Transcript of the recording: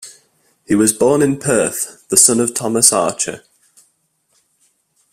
He was born in Perth, the son of Thomas Archer.